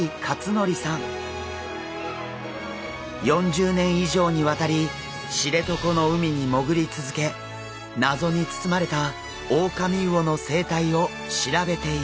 ４０年以上にわたり知床の海に潜り続け謎に包まれたオオカミウオの生態を調べています。